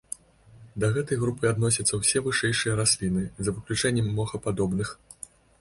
Да гэтай групы адносяцца ўсё вышэйшыя расліны за выключэннем мохападобных.